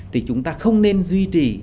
thì chúng ta không nên duy trì